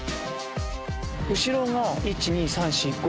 後ろに１、２、３、４、５。